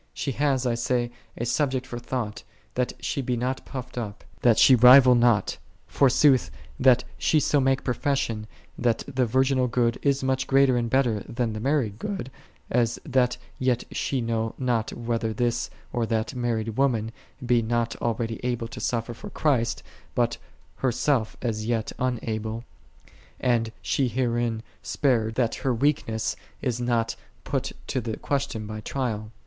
She hath, I say, a subject for thought, that she be not puffed up, that she rival not; forsooth that she so make profession that the virginal good is much greater and better than the married good, as that yet she know not whether this or that married woman be not already able to suffer for Christ, but herself as yet unable, and she herein spared, that her weakness is not put to the question by trial.